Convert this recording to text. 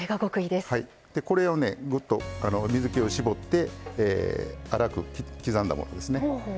でこれをねぐっと水けを絞って粗く刻んだものですね。